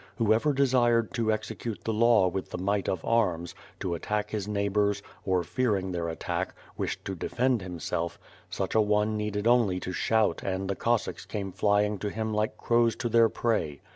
Whoever desired to execute the law with the might of arms; to attack his neighbors, or, fearing their at tack, wished to defend himself, such a one needed only to shout and the Cossacks came flying to him like crows to their prey.